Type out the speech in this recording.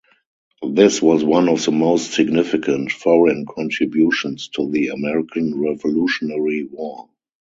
This was one of the most significant foreign contributions to the American Revolutionary War.